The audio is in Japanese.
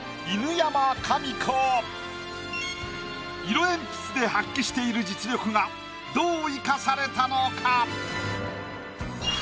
色鉛筆で発揮している実力がどう生かされたのか？